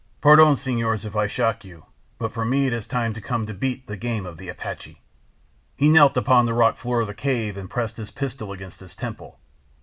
Pardon, senores, if I shock you, but for me the time is come to beat the game of the Apache.' "He knelt upon the rock floor of the cave and pressed his pistol against his temple.